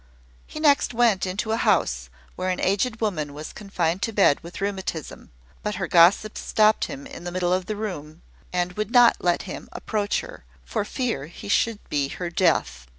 He next went into a house where an aged woman was confined to bed with rheumatism; but her gossips stopped him in the middle of the room, and would not let him approach her, for fear he should be her death.